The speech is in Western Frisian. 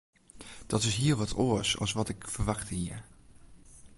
Dat is hiel wat oars as wat ik ferwachte hie.